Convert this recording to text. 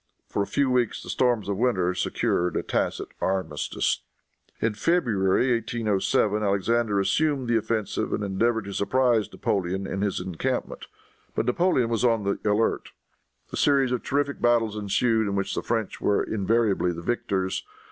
For a few weeks the storms of winter secured a tacit armistice. In February, 1807, Alexander assumed the offensive and endeavored to surprise Napoleon in his encampment. But Napoleon was on the alert. A series of terrific battles ensued, in which the French were invariably the victors.